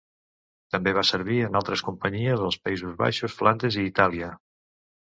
També va servir en altres campanyes als Països Baixos, Flandes i Itàlia.